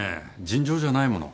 尋常じゃないもの。